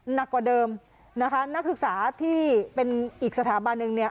หนักกว่าเดิมนะคะนักศึกษาที่เป็นอีกสถาบันหนึ่งเนี่ย